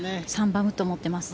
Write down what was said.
３番ウッド持ってます。